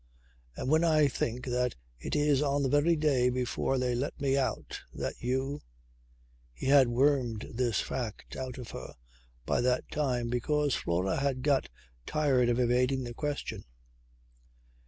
And when I think that it is on the very day before they let me out that you ..." He had wormed this fact out of her by that time because Flora had got tired of evading the question.